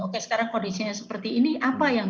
oke sekarang kondisinya seperti ini apa yang